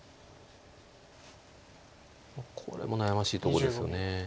これも悩ましいとこですよね。